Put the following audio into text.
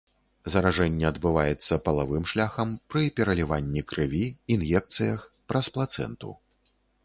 Заражэнне адбываецца палавым шляхам, пры пераліванні крыві, ін'екцыях, праз плацэнту.